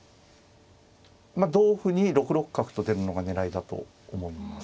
まあ同歩に６六角と出るのが狙いだと思います。